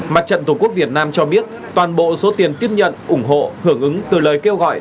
mặt trận tổ quốc việt nam cho biết toàn bộ số tiền tiếp nhận ủng hộ hưởng ứng từ lời kêu gọi